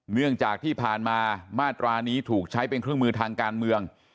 เนื่องจากที่ผ่านมามาตรานี้ถูกใช้เป็นเครื่องมือทางการเมือง